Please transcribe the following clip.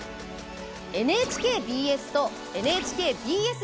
ＮＨＫＢＳとＮＨＫＢＳ